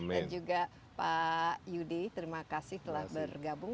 dan juga pak yudi terima kasih telah bergabung